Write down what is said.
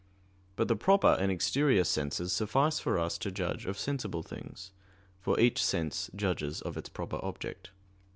But the proper and exterior senses suffice for us to judge of sensible things; for each sense judges of its proper object.